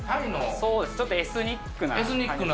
そうです、ちょっとエスニックな。